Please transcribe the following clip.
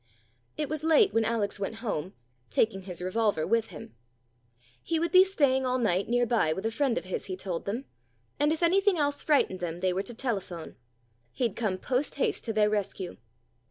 It was late when Alex went home, taking his revolver with him. He would be staying all night near by, with a friend of his, he told them, and if anything else frightened them they were to telephone. He'd come post haste to their rescue.